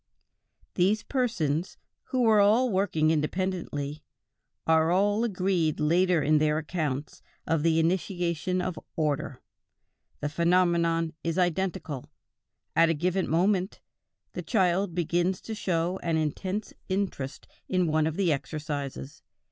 These persons, who were all working independently, are all agreed later in their accounts of the initiation of order: the phenomenon is identical; at a given moment, a child begins to show an intense interest in one of the exercises.